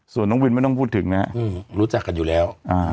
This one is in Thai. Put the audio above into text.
ส่วนน้องวินไม่ต้องพูดถึงนะรู้จักกันอยู่แล้ว